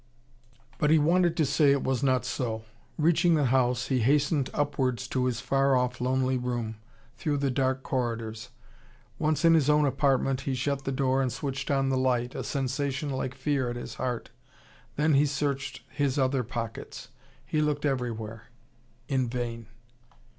But he wanted to say it was not so. Reaching the house, he hastened upwards to his far off, lonely room, through the dark corridors. Once in his own apartment, he shut the door and switched on the light, a sensation like fear at his heart. Then he searched his other pockets. He looked everywhere. In vain.